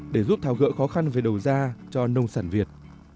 để giúp tháo gỡ khó khăn về đầu ra cho nông sản việt